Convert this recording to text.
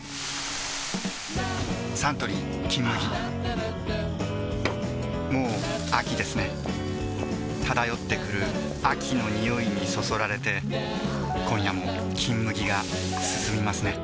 サントリー「金麦」もう秋ですね漂ってくる秋の匂いにそそられて今夜も「金麦」がすすみますね